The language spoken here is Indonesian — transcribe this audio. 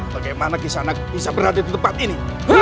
bagaimana kisah anak bisa berada di tempat ini